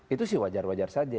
itu sih wajar wajar saja